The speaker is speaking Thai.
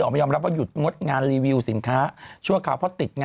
เป็นจริง